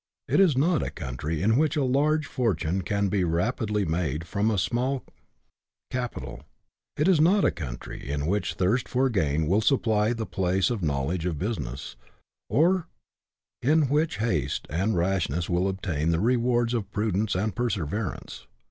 It is not a country in which a large fortune can be rapidly made from a small capital ; it is not a couijtry in which thirst for gain will supply the place of knowledge of business, or in which haste and rashness will obtain the rewards of prudence and perseverance.